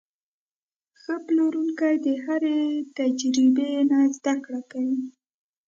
ښه پلورونکی د هرې تجربې نه زده کړه کوي.